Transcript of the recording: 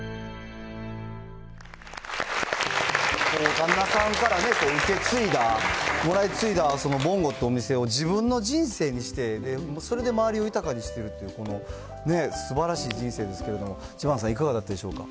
旦那さんから受け継いだもらい継いだ、そのぼんごってお店を自分の人生にして、それで周りを豊かにしてるって、すばらしい人生ですけれども、知花さん、いかがだったでしょうか。